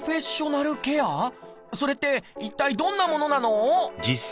それって一体どんなものなの？